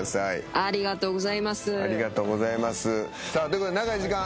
ありがとうございます。